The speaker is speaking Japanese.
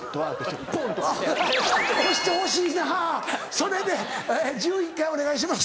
それで「１１階お願いします」